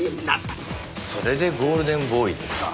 それでゴールデンボーイですか。